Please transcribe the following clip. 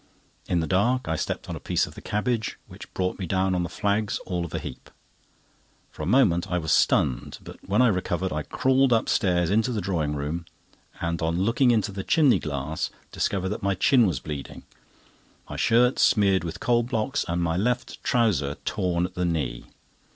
In the dark, I stepped on a piece of the cabbage, which brought me down on the flags all of a heap. For a moment I was stunned, but when I recovered I crawled upstairs into the drawing room and on looking into the chimney glass discovered that my chin was bleeding, my shirt smeared with the coal blocks, and my left trouser torn at the knee.